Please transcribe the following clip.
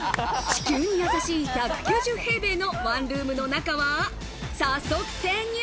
地球にやさしい１９０平米のワンルームの中に早速潜入。